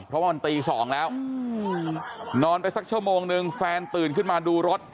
เพราะว่ามันตี๒แล้วนอนไปสักชั่วโมงนึงแฟนตื่นขึ้นมาดูรถ